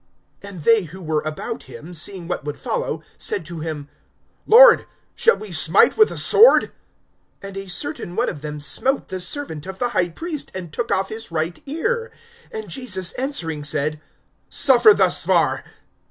(49)And they who were about him, seeing what would follow, said to him: Lord, shall we smite with the sword? (50)And a certain one of them smote the servant of the high priest, and took off his right ear. (51)And Jesus answering said: Suffer thus far.